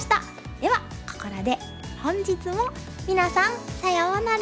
ではここらで本日も皆さんさようなら！